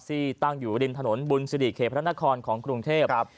ที่ตั้งอยู่ริมถนนบุญสิริเขตพระนครของกรุงเทพ